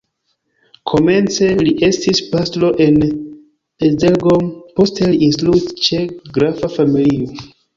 Komence li estis pastro en Esztergom, poste li instruis ĉe grafa familio.